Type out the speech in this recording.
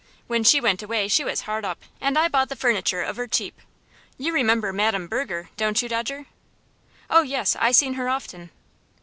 When she went away she was hard up, and I bought the furniture of her cheap. You remember Madam Berger, don't you, Dodger?" "Oh, yes, I seen her often."